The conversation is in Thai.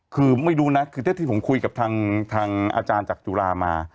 คือไม่รู้นะคือเท่าที่ผมคุยกับทางอาจารย์จากจุฬามา